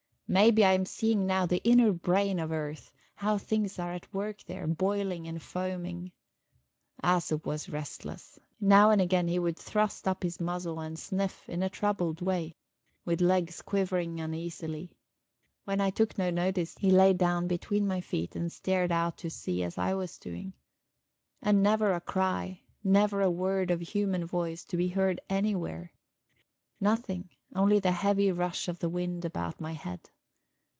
Maybe I am seeing now the inner brain of earth, how things are at work there, boiling and foaming. Æsop was restless; now and again he would thrust up his muzzle and sniff, in a troubled way, with legs quivering uneasily; when I took no notice, he lay down between my feet and stared out to sea as I was doing. And never a cry, never a word of human voice to be heard anywhere; nothing; only the heavy rush of the wind about my head.